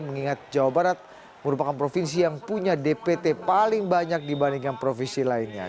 mengingat jawa barat merupakan provinsi yang punya dpt paling banyak dibandingkan provinsi lainnya